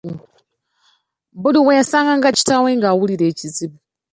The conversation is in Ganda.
Buli lwe yasanganga kitaawe ng'awulira ekizibu.